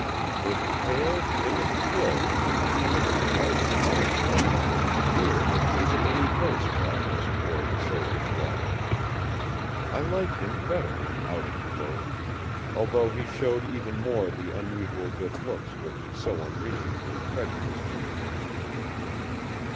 If pale, timid Phil had become a surprising butterfly, Vere had taken the reverse progress toward the sober grub. I like him better in outing clothes, although he showed even more the unusual good looks which so unreasonably prejudiced me against him.